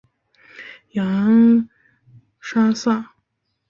雅恩莎撒。